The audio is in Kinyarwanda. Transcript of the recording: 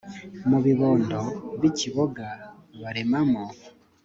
Mu bibondo bikiboga baremamo